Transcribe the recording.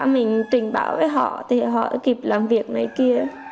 mình trình báo với họ thì họ kịp làm việc này kia